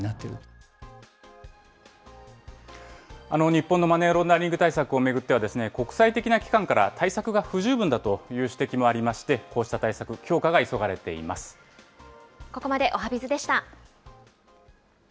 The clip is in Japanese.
日本のマネーロンダリング対策を巡っては、国際的な機関から対策が不十分だという指摘もありまして、こうしここまでおはＢｉｚでした。